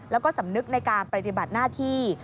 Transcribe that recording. แล้วก็สำนึกในการปฏิบัติหน้าที่